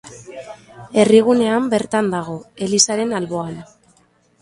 Herrigunean bertan dago, elizaren alboan.